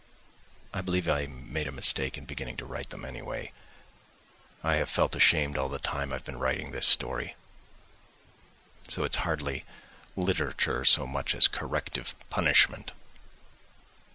I believe I made a mistake in beginning to write them, anyway I have felt ashamed all the time I've been writing this story; so it's hardly literature so much as a corrective punishment.